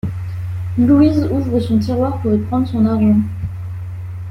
Louise ouvre son tiroir pour y prendre son argent.